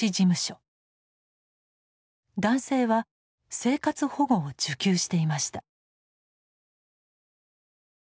男性は生活保護を受給していました。